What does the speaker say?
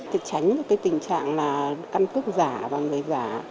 thì tránh được cái tình trạng là căn cức giả và người giả